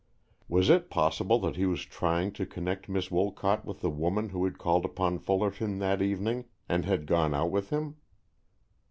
Was it possible that he was trying to connect Miss Wolcott with the woman who had called upon Fullerton that evening and had gone out with him?